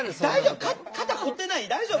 大丈夫？